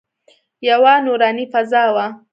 یوه نوراني فضا وه.